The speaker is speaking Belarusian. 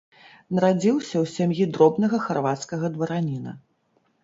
Нарадзіўся ў сям'і дробнага харвацкага двараніна.